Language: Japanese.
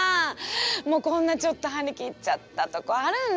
もうこんなちょっと張り切っちゃったとこあるんだけど。